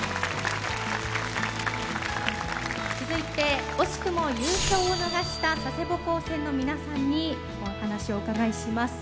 続いて惜しくも優勝を逃した佐世保高専の皆さんにお話をお伺いします。